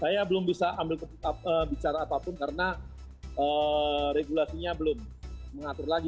saya belum bisa ambil bicara apapun karena regulasinya belum mengatur lagi